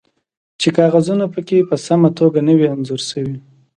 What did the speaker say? چې کاغذونه پکې په سمه توګه نه وي انځور شوي